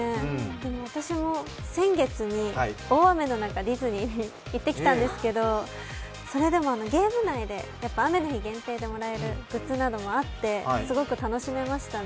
でも私も先月に大雨の中でディズニーに行ってきたんですけれども、それでもゲーム内で、雨の日限定でもらえるグッズなどもあって、すごく楽しめましたね。